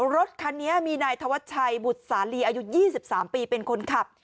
รถคันนี้มีนายทวชัยบุษาลีอายุยี่สิบสามปีเป็นคนขับ